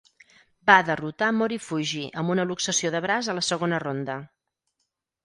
Va derrotar Morifuji amb una luxació de braç a la segona ronda.